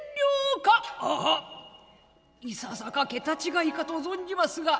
「ははっいささか桁違いかと存じますが」。